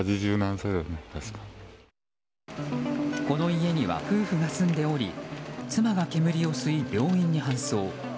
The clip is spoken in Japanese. この家には夫婦が住んでおり妻が煙を吸い病院に搬送。